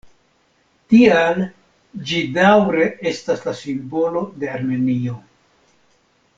Tial ĝi daŭre estas la simbolo de Armenio.